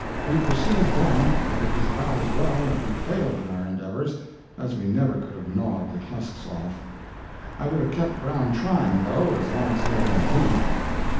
We perceived then that it was about as well that we failed in our endeavors, as we never could have gnawed the husks off. I would have kept Brown trying, though, as long as he had any teeth.